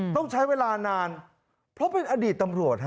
ต้องใช้เวลานานเพราะเป็นอดีตตำรวจฮะ